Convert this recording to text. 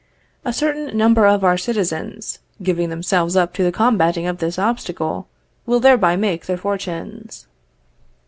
A certain number of our citizens, giving themselves up to the combating of this obstacle, will thereby make their fortunes.